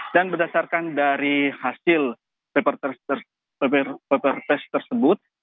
dan berdasarkan dari hasil paper test tersebut